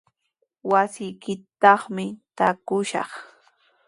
Wasiykitrawmi taakushaq.